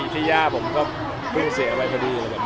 ที่ย่าผมก็เพิ่งเสียไปพอดี